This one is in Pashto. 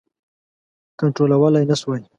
کنټرولولای نه سوای.